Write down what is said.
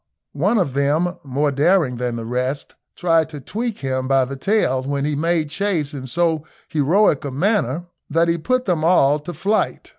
One of them, more daring than the rest, tried to tweak him by the tail, when he made chase in so heroic a manner that he put them all to flight.